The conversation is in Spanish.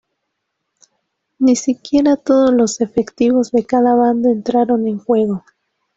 Ni siquiera todos los efectivos de cada bando entraron en juego.